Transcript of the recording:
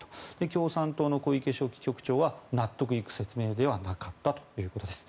共産党の小池書記局長は納得のいく説明ではなかったということです。